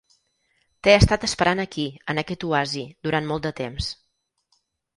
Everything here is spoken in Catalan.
T'he estat esperant aquí, en aquest oasi, durant molt de temps.